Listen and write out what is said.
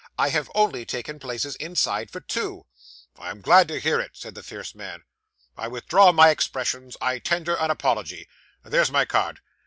I have only taken places inside for two.' 'I am glad to hear it,' said the fierce man. 'I withdraw my expressions. I tender an apology. There's my card.